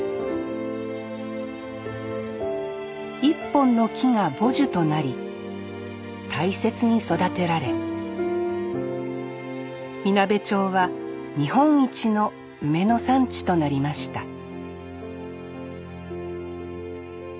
一本の木が母樹となり大切に育てられみなべ町は日本一の梅の産地となりました